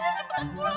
apalagi ber ellin